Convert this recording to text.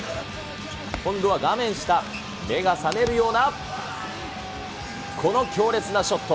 今度は画面下、目が覚めるような、この強烈なショット。